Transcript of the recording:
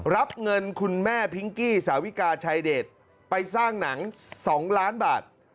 รับเงินคุณแม่พิงกี้สาวิกาชายเดชไปสร้างหนัง๒ล้านบาท